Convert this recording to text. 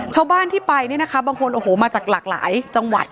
ชาวบ้านที่ไปเนี่ยนะคะบางคนโอ้โหมาจากหลากหลายจังหวัด